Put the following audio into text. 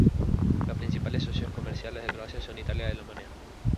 Los principales socios comerciales de Croacia son Italia y Alemania.